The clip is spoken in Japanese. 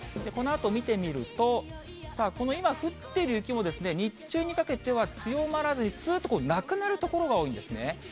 このあと見てみると、さあ、この今降っている雪もですね、日中にかけては強まらずに、すーっとなくなる所が多いんですね。